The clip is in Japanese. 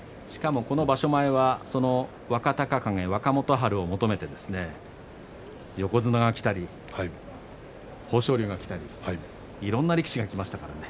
場所前は若隆景、若元春を求めて横綱が来たり、豊昇龍が来たりいろいろな力士が来ましたね。